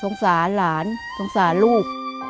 สงสารหลานสงสารลูก